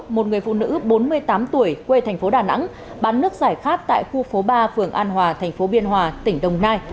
một người phụ nữ bốn mươi tám tuổi quê thành phố đà nẵng bán nước giải khát tại khu phố ba phường an hòa thành phố biên hòa tỉnh đồng nai